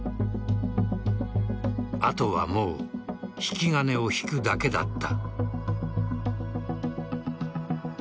あとはもう引き金を引くだけだった。